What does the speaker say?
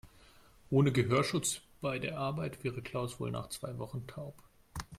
Ohne Gehörschutz bei der Arbeit wäre Klaus wohl nach zwei Wochen taub.